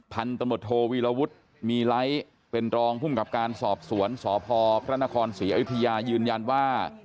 พันธมตโทวีรวุฒิมีไลท์เป็นรองภูมิกับการสอบสวนสพพระนครศรีอยุธยายืนยันว่า